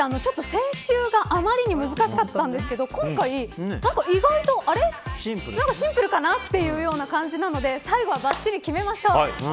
先週があまりに難しかったんですけど今回、意外とシンプルかなというような感じなので最後はバッチリ決めましょう。